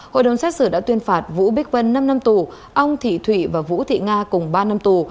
hội đồng xét xử đã tuyên phạt vũ bích vân năm năm tù ông thị thụy và vũ thị nga cùng ba năm tù